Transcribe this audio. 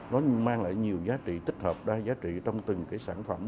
nó mang lại nhiều giá trị tích hợp đa giá trị trong từng cái sản phẩm